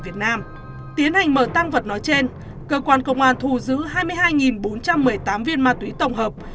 việt nam tiến hành mở tàng vật nói trên cơ quan công an thu giữ hai mươi hai bốn trăm một mươi tám viên ma túy tổng hợp